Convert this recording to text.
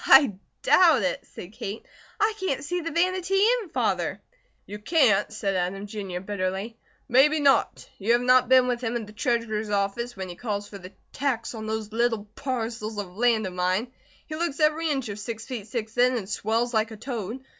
"I doubt it!" said Kate. "I can't see the vanity in Father." "You can't?" said Adam, Jr., bitterly. "Maybe not! You have not been with him in the Treasurer's office when he calls for 'the tax on those little parcels of land of mine.' He looks every inch of six feet six then, and swells like a toad.